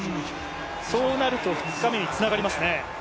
そうなると２日目につながりますね。